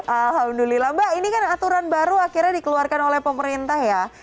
alhamdulillah mbak ini kan aturan baru akhirnya dikeluarkan oleh pemerintah ya